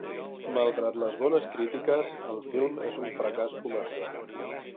Malgrat bones crítiques, el film és un fracàs comercial.